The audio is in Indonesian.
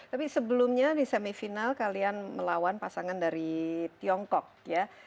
tapi sebelumnya di semifinal kalian melawan pasangan dari tiongkok ya